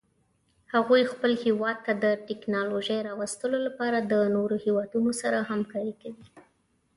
هغوی خپل هیواد ته د تکنالوژۍ راوستلو لپاره د نورو هیوادونو سره همکاري کوي